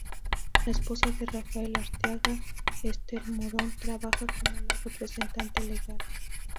La esposa de Rafael Arteaga, Esther Morón, trabajaba como la representante legal.